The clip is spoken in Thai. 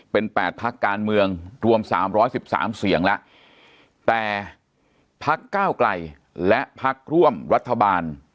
เป็น๘พักการเมืองรวม๓๑๓เสียงแล้วแต่พักก้าวไกลและพักร่วมรัฐบาล